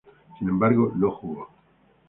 Sin embargo no jugó.